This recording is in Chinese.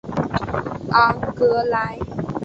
昂格莱。